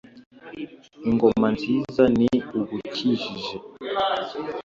Ingoma nziza ni igukijije